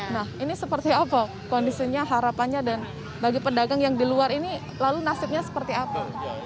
nah ini seperti apa kondisinya harapannya dan bagi pedagang yang di luar ini lalu nasibnya seperti apa